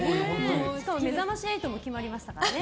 「めざまし８」も決まりましたからね。